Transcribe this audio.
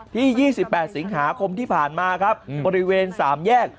ที่๒๘สิงหาคมที่ผ่านมาครับบริเวณ๓แยก